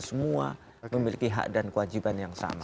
semua memiliki hak dan kewajiban yang sama